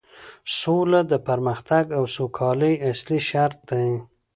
سوله د پرمختګ او سوکالۍ اصلي شرط دی